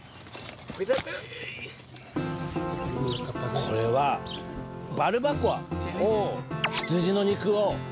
これは「バルバコア」。